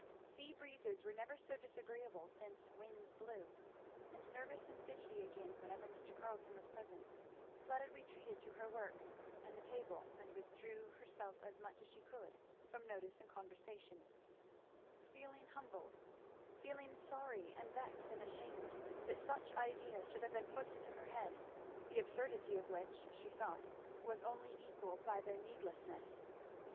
Sea breezes were never so disagreeable since winds blew; and nervous and fidgety again whenever Mr. Carleton was present, Fleda retreated to her work and the table and withdrew herself as much as she could from notice and conversation; feeling humbled, feeling sorry and vexed and ashamed, that such ideas should have been put into her head, the absurdity of which, she thought, was only equalled by their needlessness.